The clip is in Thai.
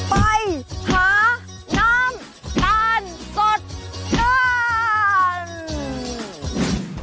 ไปหาน้ำตาลสดนาน